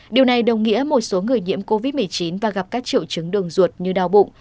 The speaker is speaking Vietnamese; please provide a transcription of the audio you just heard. điều này đồng nghĩa một số người nhiễm covid một mươi chín và gặp các triệu chứng đường ruột như đau bụng